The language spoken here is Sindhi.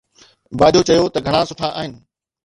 باجو چيو ته گهڻا سٺا آهن